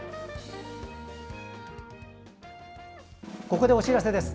ここでお知らせです。